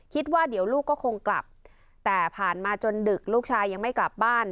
คิดว่าเดี๋ยวลูกก็คงกลับแต่ผ่านมาจนดึกลูกชายยังไม่กลับบ้าน